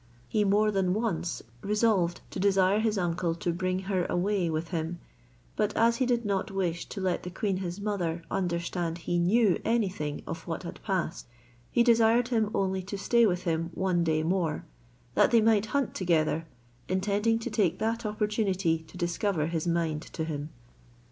He more than once resolved to desire his uncle to bring her away with him: but as he did not wish to let the queen his mother understand he knew anything of what had passed, he desired him only to stay with him one day more, that they might hunt together, intending to take that opportunity to discover his mind to him.